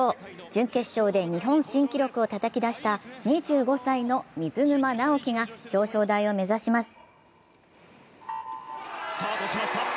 準決勝で日本新記録をたたき出した２５歳の水沼尚輝が表彰台を目指します。